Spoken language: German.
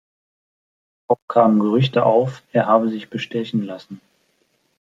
Auch kamen Gerüchte auf, er habe sich bestechen lassen.